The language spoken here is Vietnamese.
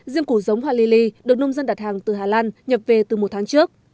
diêm củ giống hoa li li được nông dân đặt hàng từ hà lan nhập về từ một tháng trước